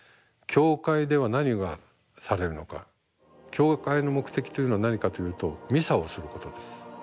教会の目的というのは何かというとミサをすることです。